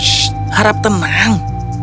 shhh harap tenang